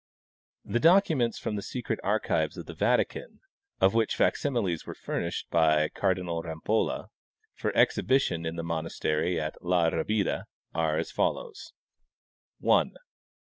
The documents from the secret archives of the Vatican, of which fac similes were furnished by Cardinal Rampolla for ex hibition in the monastery of La Rabida, are as follows : 1.